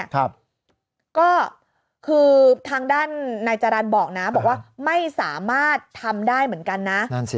ก็คือทางด้านนายจรรย์บอกนะไม่สามารถทำได้เหมือนกันนะ